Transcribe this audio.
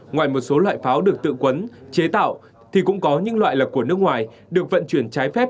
ngoài một số loại pháo được tự quấn chế tạo thì cũng có những loại là của nước ngoài được vận chuyển trái phép